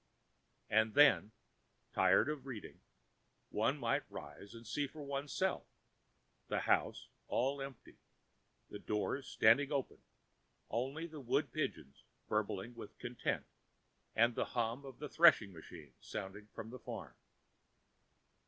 And then, tired of reading, one might rise and see for oneself, the house all empty, the doors standing open, only the wood pigeons bubbling with content and the hum of the threshing machine sounding from [Pg 4]the farm.